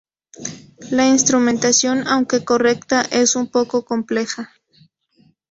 La instrumentación, aunque correcta, es un poco compleja.